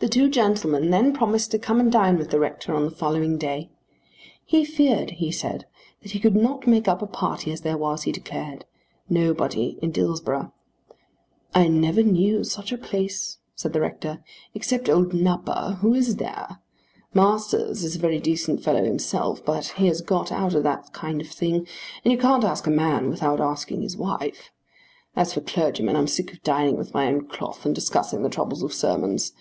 The two gentlemen then promised to come and dine with the rector on the following day. He feared he said that he could not make up a party as there was, he declared, nobody in Dillsborough. "I never knew such a place," said the rector. "Except old Nupper, who is there? Masters is a very decent fellow himself, but he has got out of that kind of thing; and you can't ask a man without asking his wife. As for clergymen, I'm sick of dining with my own cloth and discussing the troubles of sermons.